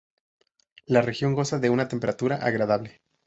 La región goza de una temperatura agradable.